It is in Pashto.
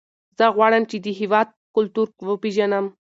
زه غواړم چې د هېواد کلتور وپېژنم.